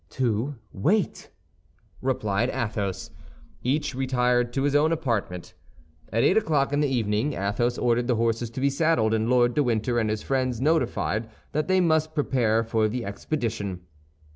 "To wait!" replied Athos. Each retired to his own apartment. At eight o'clock in the evening Athos ordered the horses to be saddled, and Lord de Winter and his friends notified that they must prepare for the expedition.